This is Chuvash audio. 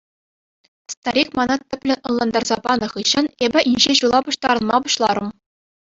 Старик мана тӗплӗн ӑнлантарса панӑ хыҫҫӑн эпӗ инҫе ҫула пуҫтарӑнма пуҫларӑм.